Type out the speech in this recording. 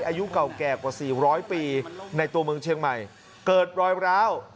อายุเก่าแก่กว่า๔๐๐ปีในตัวเมืองเชียงใหม่เกิดรอยร้าว